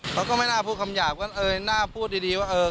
เขาก็ไม่น่าพูดคำหยาบก็เอ่ยน่าพูดดีว่าเออ